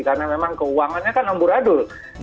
karena memang keuangannya kan umur adul